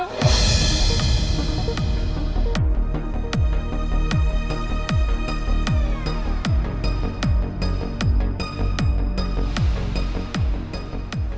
tidak ada apa apa